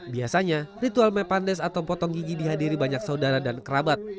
biasanya ritual mepandes atau potong gigi dihadiri banyak saudara dan kerabat